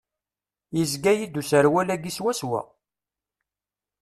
Yezga-yi-d userwal-agi swaswa.